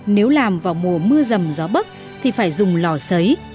nếu làm vào mùa mưa rầm gió bất thì phải dùng lò sấy